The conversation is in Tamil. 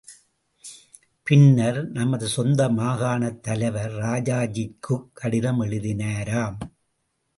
பின்னர் நமது சொந்த மாகாணத் தலைவர் ராஜாஜிக்குக் கடிதம் எழுதினாராம்.